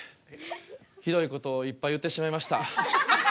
ひどいことをいっぱい言ってしまいました。